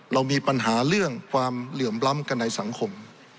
เรามีปัญหาเรื่องความเหลื่อมล้ำกันในสังคม